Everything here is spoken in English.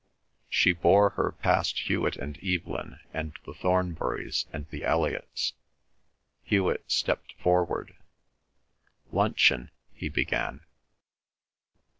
She bore her past Hewet and Evelyn and the Thornburys and the Elliots. Hewet stepped forward. "Luncheon—" he began.